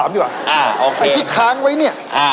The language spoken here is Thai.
อย่าไปตอบคำถามดีกว่าไอ้พี่ค้างไว้เนี่ย